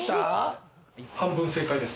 半分正解です。